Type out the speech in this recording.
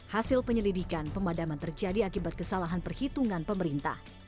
hasil penyelidikan pemadaman terjadi akibat kesalahan perhitungan pemerintah